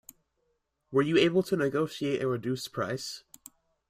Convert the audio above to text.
Were you able to negotiate a reduced price?